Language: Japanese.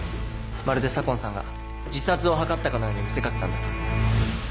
まるで左紺さんが自殺を図ったかのように見せ掛けたんだ。